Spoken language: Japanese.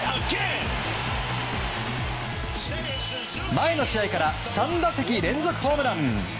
前の試合から３打席連続ホームラン。